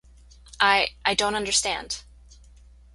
I-I don't understand.